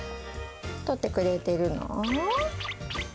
撮ってくれてるの？